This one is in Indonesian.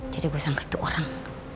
jadi gue sangka itu orang